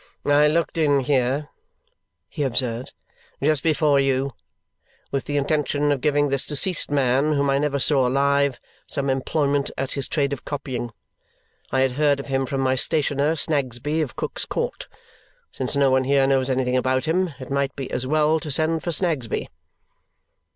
"I looked in here," he observes, "just before you, with the intention of giving this deceased man, whom I never saw alive, some employment at his trade of copying. I had heard of him from my stationer Snagsby of Cook's Court. Since no one here knows anything about him, it might be as well to send for Snagsby.